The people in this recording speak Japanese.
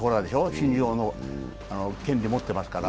新人王の権限を持っていますから。